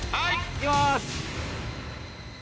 いきまーす。